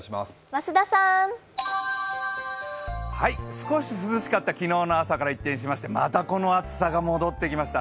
少し涼しかった昨日の朝から一転しましてまたこの暑さが戻ってきました。